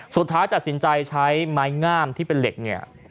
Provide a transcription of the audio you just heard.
สุดท้ายตัดสินใจใช้ไม้งามที่เป็นเหล็กเนี่ย